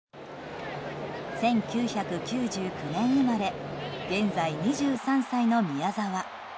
１９９９年生まれ現在２３歳の宮澤。